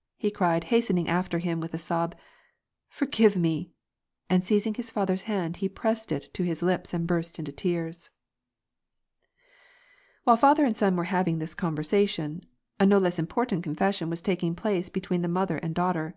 " he cried, hastening after him with a sob, " forgive me !" and seizing his father's hand, he pressed it to his lips and burst into tears. While father and son were having this conversation, a no less important confession was taking place between the mother aod daughter.